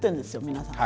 皆さん。